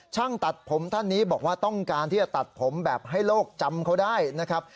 ช่างตัดผมท่านนี้บอกว่าต้องการที่จะตัดผมแบบให้โลกจำเขาได้นะครับ